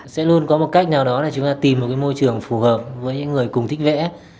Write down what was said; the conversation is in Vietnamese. sẽ luôn có một cách nào đó để chúng ta tìm một cái môi trường phù hợp với những người cùng thích vẽ